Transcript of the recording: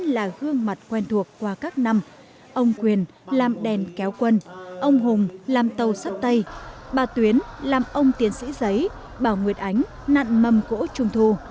và gương mặt quen thuộc qua các năm ông quyền làm đèn kéo quân ông hùng làm tàu sắt tay bà tuyến làm ông tiến sĩ giấy bà nguyệt ánh nặn mâm cỗ trung thu